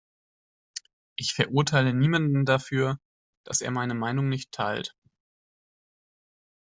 Ich verurteile niemanden dafür, dass er meine Meinung nicht teilt.